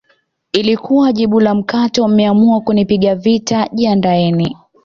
lilikuwa jibu la mkato mmeamua kunipiga vita jiandaeni